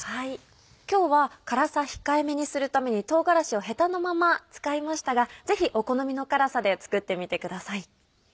今日は辛さ控えめにするために唐辛子をヘタのまま使いましたがぜひお好みの辛さで作ってみてください。